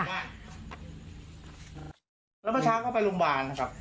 แล้วเมื่อเช้าก็ไปรุงวาลครับ